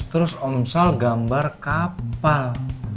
terus omsal gambar kapal